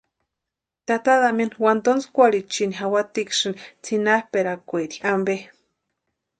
Tata Damiani wantontskwarhichini jawatiksïni tsinapʼikwaeri ampe.